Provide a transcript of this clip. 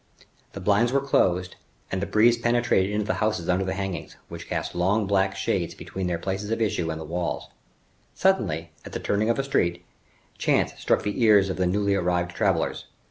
The blinds were closed, and the breeze penetrated into the houses under the hangings, which cast long, black shades between their places of issue and the walls. Suddenly, at the turning of a street, chants struck the ears of the newly arrived travelers.